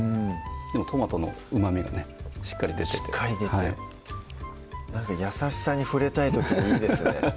トマトのうまみがねしっかり出ててしっかり出てなんか優しさに触れたい時にいいですね